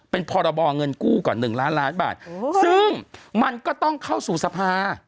เป็นพรบเงินกู้ก่อน๑ล้านล้านบาทซึ่งมันก็ต้องเข้าสู่สภา